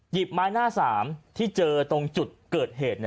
ไม้หน้าสามที่เจอตรงจุดเกิดเหตุ